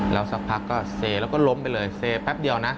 แล้วสักพักก็เซแล้วก็ล้มไปเลยเซแป๊บเดียวนะ